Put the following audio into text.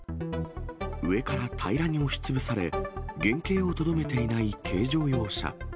上から平らに押しつぶされ、原形をとどめていない軽乗用車。